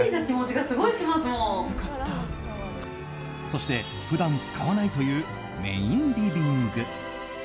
そして、普段使わないというメインリビング。